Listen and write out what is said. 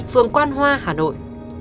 phường quan hoa hà nội